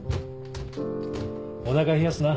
おなか冷やすな。